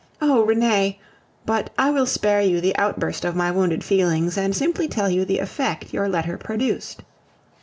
Oh! Renee... but I will spare you the outburst of my wounded feelings, and simply tell you the effect your letter produced.